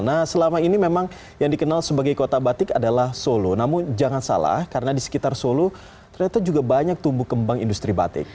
nah selama ini memang yang dikenal sebagai kota batik adalah solo namun jangan salah karena di sekitar solo ternyata juga banyak tumbuh kembang industri batik